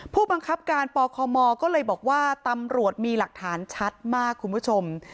ผู้บังคับการปคมก็เลยบอกว่าตำรวจมีหลักฐานชัดมากคุณผู้ชม